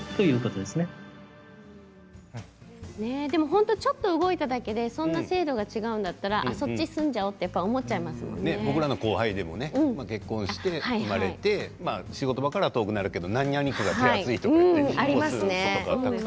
本当にちょっと動いただけでそんな制度が違うんだったらそっちに住んじゃおうと僕らの後輩でも結婚して子どもが生まれて仕事場からは遠くなるけれどもなになに区が育てやすいと住む方いなすものね。